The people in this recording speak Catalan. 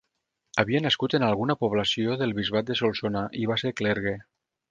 Havia nascut en alguna població del Bisbat de Solsona i va ser clergue.